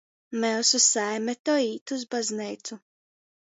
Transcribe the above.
Myusu saime to īt iz bazneicu.